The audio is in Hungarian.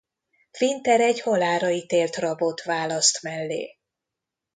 Winter egy halálra ítélt rabot választ mellé.